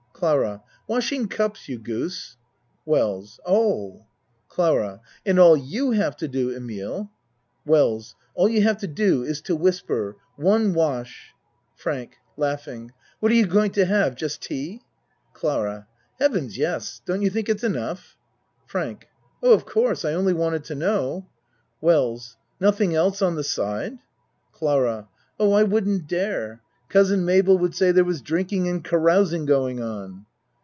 CLARA Washing cups, you goose! WELLS Oh! CLARA And all you have to do, Emile WELLS All you have to do is to whisper "One wash." FRANK What are you going to have just tea? CLARA Heavens yes. Don't you think it's enough ? FRANK Oh, of course. I only wanted to know. WELLS Nothing else on the side? CLARA Oh, I wouldn't dare. Cousin Mabel would say there was drinking and carousing going on.